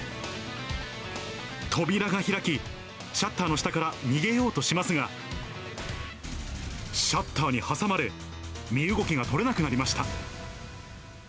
扉が開き、シャッターの下から逃げようとしますが、シャッターに挟まれ、身動きが取れなくなりました。